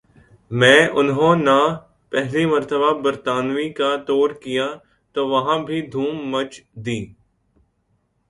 میں انہو نہ پہلی مرتبہ برطانوی کا ٹور کیا تو وہاں بھی دھوم مچ دی